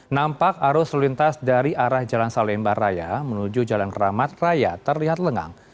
nampak arus lintas dari arah jalan salemba raya menuju jalan keramat raya terlihat lengang